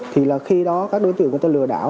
thì là khi đó các đối tượng người ta lừa đảo